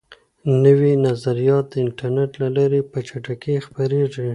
نوي نظریات د انټرنیټ له لارې په چټکۍ خپریږي.